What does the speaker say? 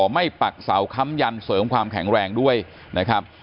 ปักเสาค้ำยันเสริมความแข็งแรงด้วยนะครับ